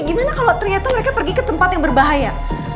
gimana kalau ternyata mereka pergi ke tempat yang berbahaya